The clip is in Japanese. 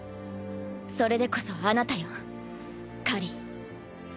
それでこそあなたよ夏凜。